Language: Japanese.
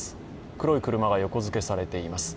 黒い車が横付けされています。